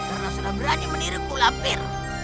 kerasalah berani menirikku lampir